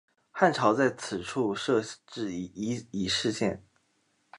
汉朝在此处设置己氏县。